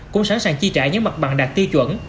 cũng sẵn sàng chi trả những mặt bằng đạt tiêu chuẩn